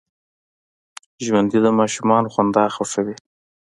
ژوندي د ماشومانو خندا خوښوي